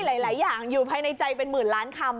หลายอย่างอยู่ภายในใจเป็นหมื่นล้านคำ